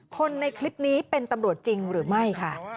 คนในคลิปนี้เป็นตำรวจจริงหรือไม่ค่ะ